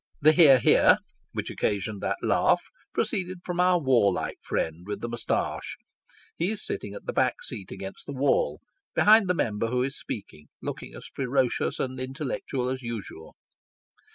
The " hear, hear," which occasioned that laugh, proceeded from our warlike friend with the moustache ; he is sitting on the back seat against the wall, behind the Member who is speaking, looking as ferocious and intellectual as usual.